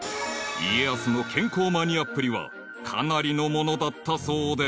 ［家康の健康マニアっぷりはかなりのものだったそうで］